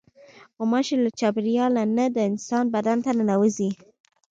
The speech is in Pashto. غوماشې له چاپېریاله نه د انسان بدن ته ننوځي.